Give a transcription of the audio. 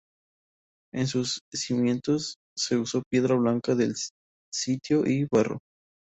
En sus cimientos se usó piedra blanda del sitio y barro.